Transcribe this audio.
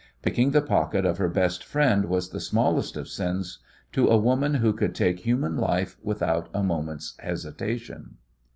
Picking the pocket of her best friend was the smallest of sins to a woman who could take human life without a moment's hesitation.